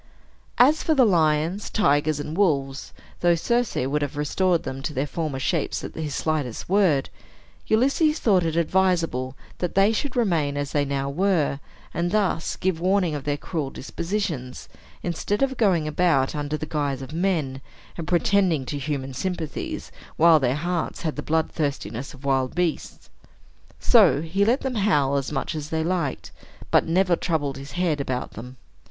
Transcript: As for the lions, tigers, and wolves (though Circe would have restored them to their former shapes at his slightest word), Ulysses thought it advisable that they should remain as they now were, and thus give warning of their cruel dispositions, instead of going about under the guise of men, and pretending to human sympathies, while their hearts had the blood thirstiness of wild beasts. So he let them howl as much as they liked, but never troubled his head about them.